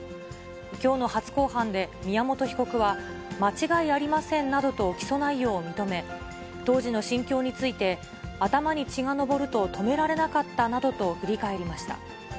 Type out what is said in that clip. きょうの初公判で宮本被告は、間違いありませんなどと起訴内容を認め、当時の心境について、頭に血が上ると止められなかったなどと振り返りました。